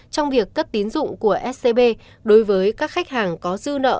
trong việc cấp tín dụng của scb đối với các khách hàng có dư nợ